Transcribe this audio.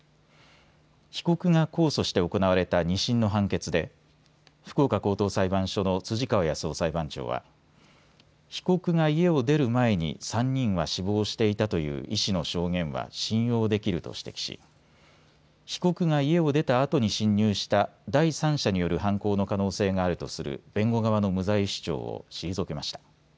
被告が控訴して行われた２審の判決で福岡高等裁判所の辻川靖夫裁判長は被告が家を出る前に３人は死亡していたという医師の証言は信用できると指摘し被告が家を出たあとに侵入した第三者による犯行の可能性があるとする弁護側の無罪主張を退けました。